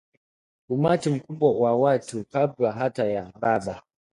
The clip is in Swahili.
umati mkubwa wa watu Kabla hata ya Baba